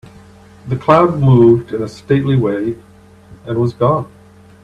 The cloud moved in a stately way and was gone.